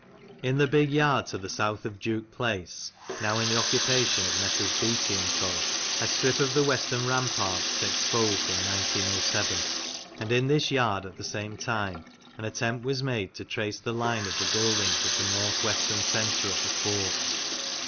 In the big yard to the south of Duke Place (now in the occupation of Messrs. Beattie & Co.) a strip of the western rampart was exposed in 1907, and in this yard, at the same time, an attempt was made to trace the line of the buildings of the north western corner of the fort.